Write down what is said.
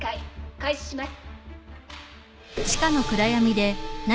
開始します。